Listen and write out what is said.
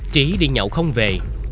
trí đi nhậu không về